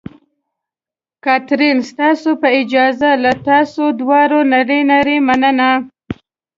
کاترین: ستاسو په اجازه، له تاسو دواړو نړۍ نړۍ مننه.